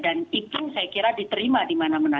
dan itu saya kira diterima dimana mana